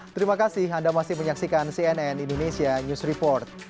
terima kasih anda masih menyaksikan cnn indonesia news report